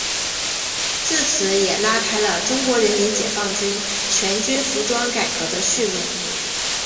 自此也拉开了中国人民解放军全军服装改革的序幕。